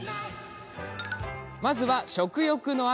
まずは食欲の秋。